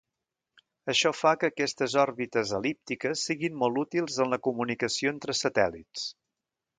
Això fa que aquestes òrbites el·líptiques siguin molt útils en la comunicació entre satèl·lits.